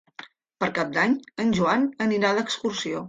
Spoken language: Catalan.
Per Cap d'Any en Joan anirà d'excursió.